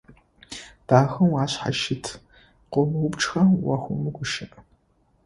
Дахэу ашъхьащыт, къыомыупчӀхэу уахэмыгущыӀ.